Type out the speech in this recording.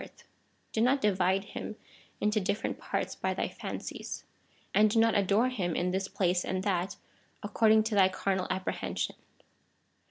381 into different parts by thy fancies, and do not adore him in this place and that, according to thy carnal apprehension.